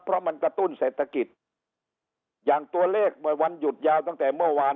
เพราะมันกระตุ้นเศรษฐกิจอย่างตัวเลขเมื่อวันหยุดยาวตั้งแต่เมื่อวาน